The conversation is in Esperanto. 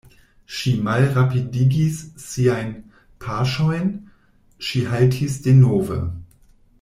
Ŝi malrapidigis siajn paŝojn, ŝi haltis denove.